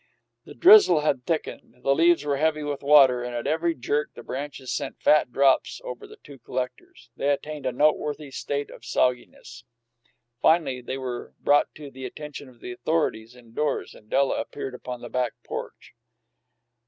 The drizzle had thickened; the leaves were heavy with water, and at every jerk the branches sent fat drops over the two collectors. They attained a noteworthy state of sogginess. Finally, they were brought to the attention of the authorities indoors, and Della appeared upon the back porch.